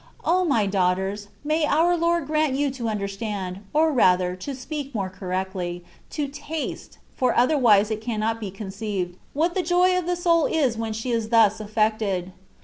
O my daughters ! may our Lord grant you to understand, or rather, to speak more correctly, to tdste (for otherwise it cannot be conceived) what the joy of the soul is when she is thus affected.